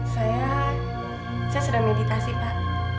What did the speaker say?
saya sedang meditasi pak